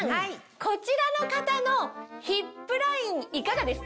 こちらの方のヒップラインいかがですか？